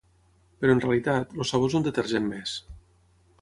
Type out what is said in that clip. Però en realitat, el sabó és un detergent més.